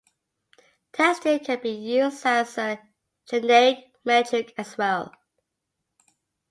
Testing can be used as a generic metric as well.